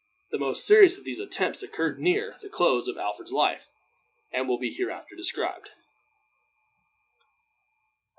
The most serious of these attempts occurred near the close of Alfred's life, and will be hereafter described.